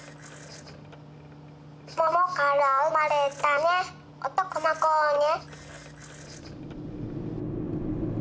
桃から生まれたね男の子をね。